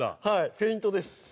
はいフェイントです。